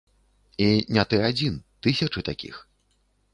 І не ты адзін, тысячы такіх.